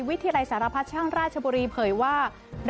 วิทยาลัยสารพัชช่างราชบุรีเผยว่า